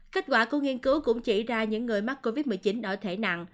kết quả của nghiên cứu cũng chỉ ra những người mắc covid một mươi chín ở thể nặng